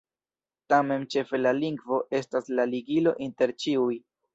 Tamen ĉefe la lingvo estas la ligilo inter ĉiuj.